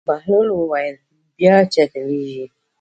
بهلول وویل: بیا چټلېږي.